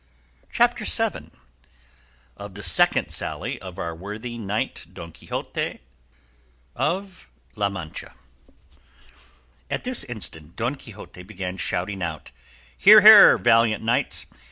CHAPTER VII. OF THE SECOND SALLY OF OUR WORTHY KNIGHT DON QUIXOTE OF LA MANCHA At this instant Don Quixote began shouting out, "Here, here, valiant knights!